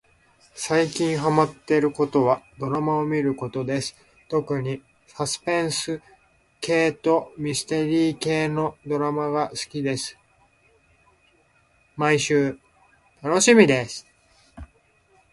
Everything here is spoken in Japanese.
さいきんはまってることはどらまをみることですとくにさすぺんすけいとみすてりーけいのどらまがすきですまいしゅうたのしみです